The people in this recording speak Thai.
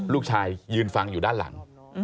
ลูกชายยืนฟังอยู่ด้านหลัง